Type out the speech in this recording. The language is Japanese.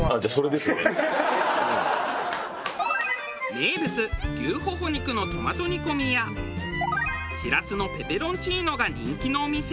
名物牛ホホ肉のトマト煮込みやしらすのペペロンチーノが人気のお店。